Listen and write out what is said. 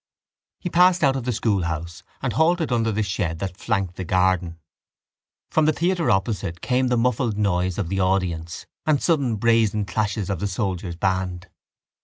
He passed out of the schoolhouse and halted under the shed that flanked the garden. From the theatre opposite came the muffled noise of the audience and sudden brazen clashes of the soldiers' band.